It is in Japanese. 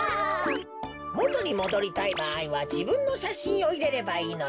もとにもどりたいばあいはじぶんのしゃしんをいれればいいのだ。